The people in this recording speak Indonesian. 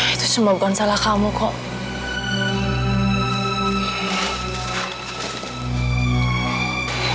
itu cuma bukan salah kamu kok